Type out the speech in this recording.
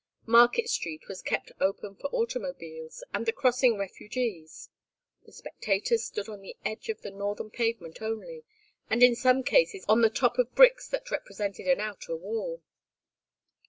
Market Street was kept open for automobiles, and the crossing refugees; the spectators stood on the edge of the northern pavement only, and in some cases on the top of bricks that represented an outer wall.